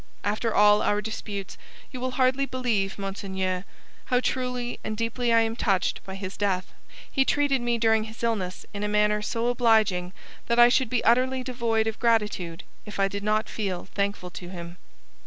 After all our disputes, you will hardly believe, Monseigneur, how truly and deeply I am touched by his death. He treated me during his illness in a manner so obliging that I should be utterly devoid of gratitude if I did not feel thankful to him.'